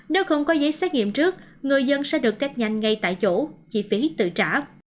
nếu không có giấy xét nghiệm trước người dân sẽ được test nhanh ngay tại chỗ chi phí tự trả